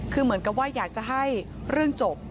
คือเหมือนกับว่าอยากจะให้เรื่องจบ